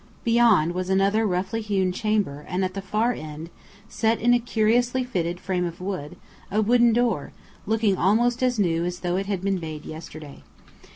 Beyond, was another roughly hewn chamber, and at the far end, set in a curiously fitted frame of wood, a wooden door, looking almost as new as though it had been made yesterday.